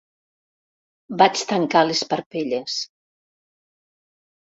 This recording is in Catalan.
Vaig tancar les parpelles.